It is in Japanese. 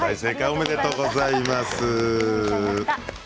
おめでとうございます。